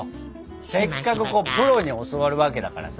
せっかくプロに教わるわけだからさ。